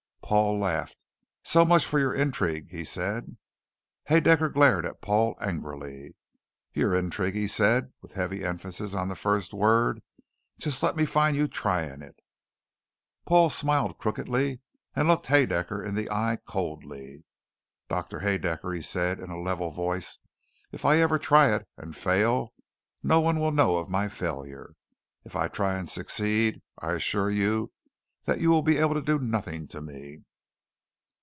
Paul laughed. "So much for your intrigue," he said. Haedaecker glared at Paul angrily. "Your intrigue," he said with heavy emphasis on the first word. "Just let me find you trying it!" Paul smiled crookedly and looked Haedaecker in the eye coldly. "Doctor Haedaecker," he said in a level, voice, "if I ever try it and fail, no one will know of my failure. If I try and succeed, I assure you that you will be able to do nothing to me."